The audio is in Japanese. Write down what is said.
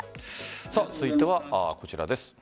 続いてはこちらです。